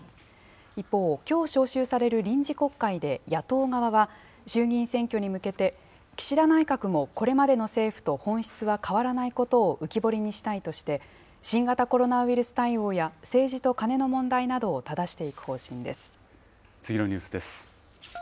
一方、きょう召集される臨時国会で野党側は、衆議院選挙に向けて、岸田内閣もこれまでの政府と本質は変わらないことを浮き彫りにしたいとして、新型コロナウイルス対応や政治とカネの問題などをた次のニュースです。